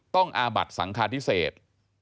ต้องอาบัติสังคาทิเศษ